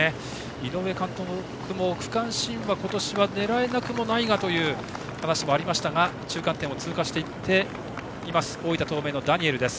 井上監督も、区間新は今年は狙えなくもないがという話もありましたが中間点を通過しました大分東明のダニエルです。